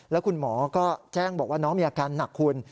แล้วคุณหมอก็แจ้งบอกว่าน้องมีอาการหนักคุณ